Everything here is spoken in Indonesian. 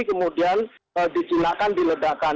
kemudian di cilakan di ledakan